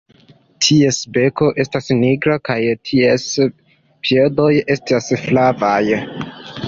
Ties beko estas nigra kaj ties piedoj estas flavaj.